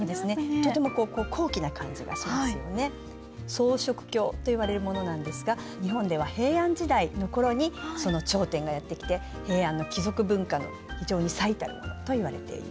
装飾経といわれるものなんですが日本では平安時代の頃にその頂点がやって来て平安の貴族文化の非常に最たるものといわれています。